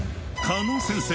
鹿野先生